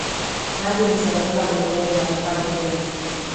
Maji huteremka bondeni, hayapandi mlima